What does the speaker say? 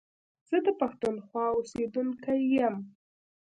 زه د پښتونخوا اوسېدونکی يم